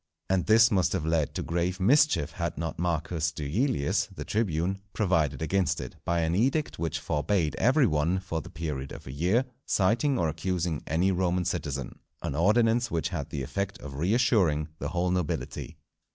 And this must have led to grave mischief had not Marcus Duilius the tribune provided against it, by an edict which forbade every one, for the period of a year, citing or accusing any Roman citizen, an ordinance which had the effect of reassuring the whole nobility.